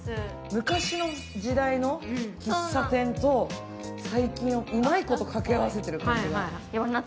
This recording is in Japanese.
昔の時代の喫茶店と細菌をうまいこと掛け合わせてるみたいな。